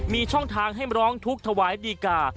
มีช่องทางให้ร้องทุกข์ถวายดีกา